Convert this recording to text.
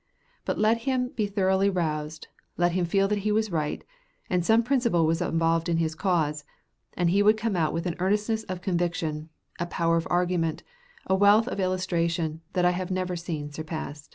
But let him be thoroughly roused, let him feel that he was right, and some principle was involved in his cause, and he would come out with an earnestness of conviction, a power of argument, a wealth of illustration, that I have never seen surpassed.